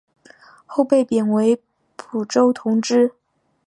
后被贬为蒲州同知。